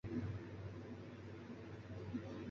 季姒又对公甫说公思展和申夜姑要挟她。